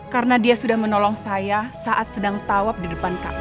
karena dia sudah menolong saya saat sedang tawaf di depan kaabah